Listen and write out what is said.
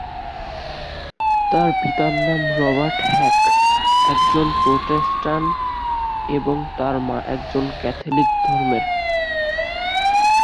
তার পিতার নাম "রবার্ট হ্যাক", একজন প্রোটেস্ট্যান্ট এবং তার মা একজন ক্যাথলিক ধর্মের।